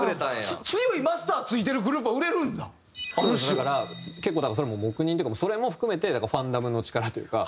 だから結構それも黙認っていうかそれも含めてファンダムの力というか。